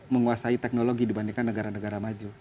menguasai teknologi dibandingkan negara negara maju